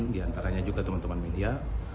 diantaranya juga teman teman media